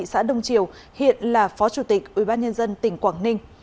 thị xã đông triều hiện là phó chủ tịch ủy ban nhân dân tỉnh quảng ninh